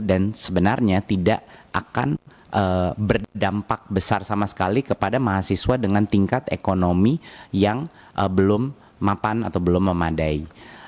dan sebenarnya tidak akan berdampak besar sama sekali kepada mahasiswa dengan tingkat ekonomi yang belum mapan atau belum memadai